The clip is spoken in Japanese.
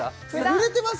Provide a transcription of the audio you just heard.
触れてます